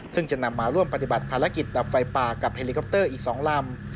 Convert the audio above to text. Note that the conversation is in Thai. ซึ่งจะนำมาร่วมปฏิบัติภารกิจดับไฟป่ากับเฮลิคอปเตอร์อีก๒ลำ